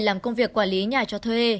làm công việc quản lý nhà cho thuê